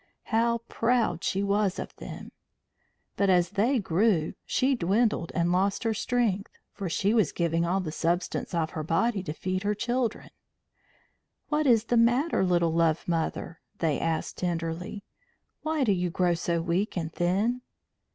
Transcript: How proud she was of them! But as they grew she dwindled and lost her strength, for she was giving all the substance of her body to feed her children. "What is the matter, little Love Mother?" they asked tenderly. "Why do you grow so weak and thin?"